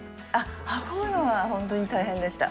運ぶのは、本当に大変でした。